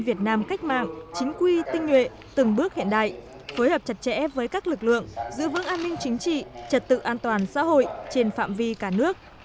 việt nam cách mạng chính quy tinh nhuệ từng bước hiện đại phối hợp chặt chẽ với các lực lượng giữ vững an ninh chính trị trật tự an toàn xã hội trên phạm vi cả nước